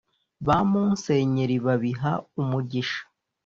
Ba musenyeri babiha umugisha